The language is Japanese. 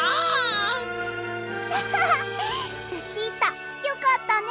アハハッルチータよかったね。